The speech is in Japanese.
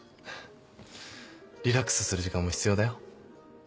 リラックスする時間も必要だよ。